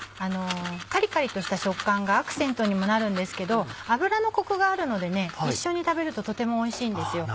カリカリとした食感がアクセントにもなるんですけど油のコクがあるので一緒に食べるととてもおいしいんですよ。